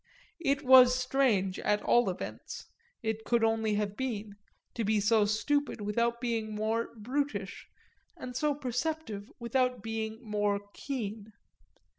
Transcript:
It was strange, at all events it could only have been to be so stupid without being more brutish and so perceptive without being more keen.